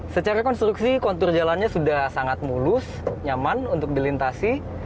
secara konstruksi kontur jalannya sudah sangat mulus nyaman untuk dilintasi